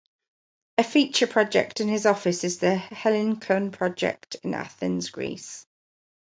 A feature project in his office is The Hellinikon Project in Athens Greece.